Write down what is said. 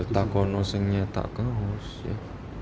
tak konos yang nyetak kaos ya